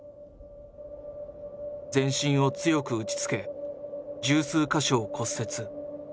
全身を強く打ちつけ十数か所を骨折。